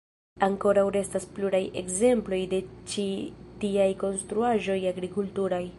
Ankoraŭ restas pluraj ekzemploj de ĉi tiaj konstruaĵoj agrikulturaj.